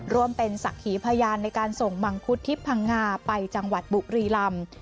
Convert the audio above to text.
ร่วมเป็นศักดิ์หีพยานในการส่งมังคุดที่พังงาไปจังหวัดบุรีลำ